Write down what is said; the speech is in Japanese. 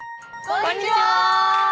こんにちは！